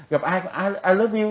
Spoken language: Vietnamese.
gặp ai cũng i love you